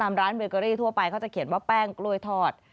ร้านเบเกอรี่ทั่วไปเขาจะเขียนว่าแป้งกล้วยทอด